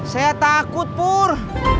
saya takut pur